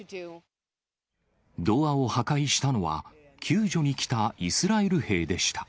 ドアを破壊したのは、救助に来たイスラエル兵でした。